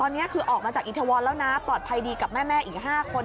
ตอนนี้คือออกมาจากอิทวรแล้วนะปลอดภัยดีกับแม่อีก๕คน